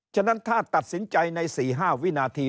ฉะนั้นถ้าตัดสินใจใน๔๕วินาที